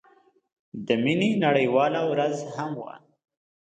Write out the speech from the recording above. د مينې نړيواله ورځ هم وه.